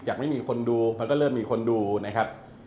ไม่มีคนดูมันก็เริ่มมีคนดูนะครับ